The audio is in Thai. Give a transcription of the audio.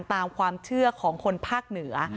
ตามความเชื่อของคนภาคเหนือ